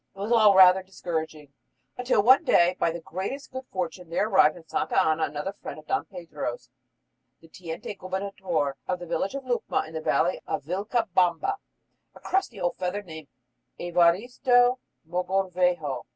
It was all rather discouraging, until one day, by the greatest good fortune, there arrived at Santa Ana another friend of Don Pedro's, the teniente gobernador of the village of Lucma in the valley of Vilcabamba a crusty old fellow named Evaristo Mogrovejo.